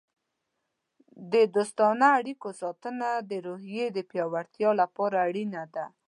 د دوستانه اړیکو ساتنه د روحیې د پیاوړتیا لپاره اړینه ده.